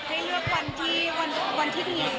คือตัวลูตาก็อยากให้เลือกวันที่ดี